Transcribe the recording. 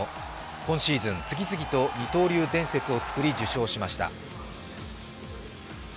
今シーズン、次々と二刀流伝説を作り受賞しました。